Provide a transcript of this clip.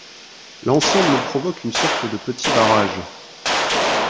L'ensemble provoque une sorte de petit barrage.